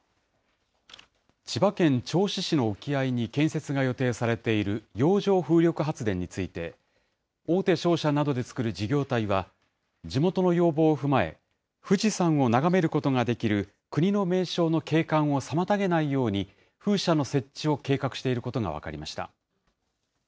千葉県銚子市の沖合に建設が予定されている洋上風力発電について、大手商社などで作る事業体は、地元の要望を踏まえ、富士山を眺めることができる国の名勝の景観を妨げないように、風車の設置を計画していることが分かりました。